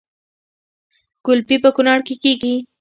ګلپي په کونړ کې کیږي